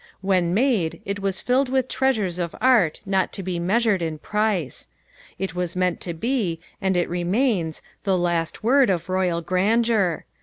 When made it was filled with treasures of art not to be measured in price. It was meant to be, and it remains, the last word of royal grandeur.